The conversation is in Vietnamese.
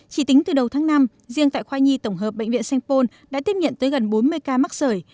chỉ tính từ đầu tháng năm riêng tại khoai nhi tổng hợp bệnh viện sengpon đã tiếp nhận tới gần bốn mươi ca mắc sởi